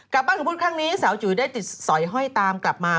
บ้านของพุทธครั้งนี้สาวจุ๋ยได้ติดสอยห้อยตามกลับมา